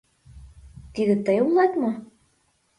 — Тиде тый улат мо?!